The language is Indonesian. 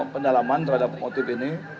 pendalaman terhadap motif ini